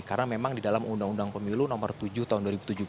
karena memang di dalam undang undang pemilu nomor tujuh tahun dua ribu tujuh belas